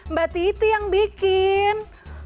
mbak titi yang bikin